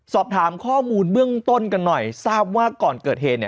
สอบถามข้อมูลเบื้องต้นกันหน่อยทราบว่าก่อนเกิดเหตุ